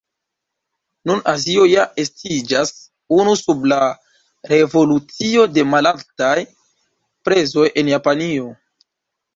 Nun Azio ja estiĝas unu sub la revolucio de malaltaj prezoj en Japanio.